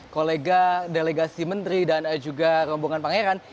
kolega delegasi menteri dan juga rombongan pangeran